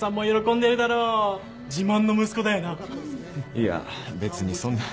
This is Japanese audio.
いや別にそんな。